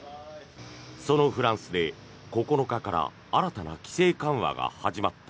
そのフランスで、９日から新たな規制緩和が始まった。